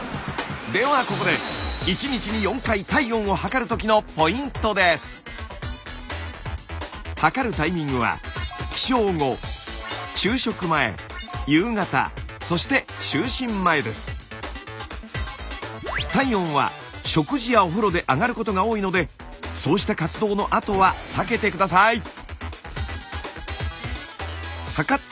ではここで測るタイミングは体温は食事やお風呂で上がることが多いのでそうした活動のあとは避けて下さい。